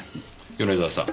米沢さん。